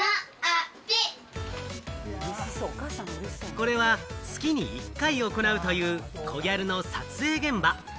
これは月に１回行うという『ＫＯＧＹＡＲＵ』の撮影現場。